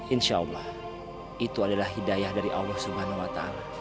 insya allah itu adalah hidayah dari allah swt